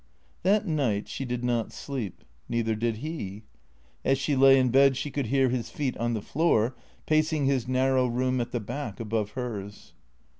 That night she did not sleep. Neither did he. As she lay in bed she could hear his feet on the floor, pacing his narrow room at the back, above hers.